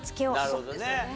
なるほどね。